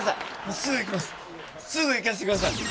すぐいかせてください